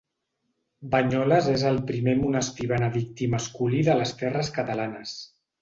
Banyoles és el primer monestir benedictí masculí de les terres catalanes.